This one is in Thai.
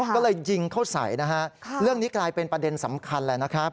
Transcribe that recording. ก็เลยยิงเข้าใส่นะฮะเรื่องนี้กลายเป็นประเด็นสำคัญแหละนะครับ